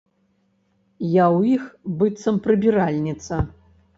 Я ў іх быццам прыбіральніца.